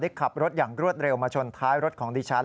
ขับรถอย่างรวดเร็วมาชนท้ายรถของดิฉัน